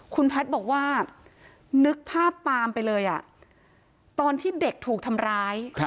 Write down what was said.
คุณแพทย์บอกว่านึกภาพปามไปเลยตอนที่เด็กถูกทำร้าย